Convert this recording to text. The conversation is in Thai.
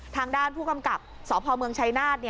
ทางด้านผู้กำกับสพเมืองชัยนาธ